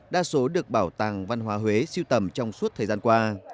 đa số được bảo tàng văn hóa huế siêu tầm trong suốt thời gian qua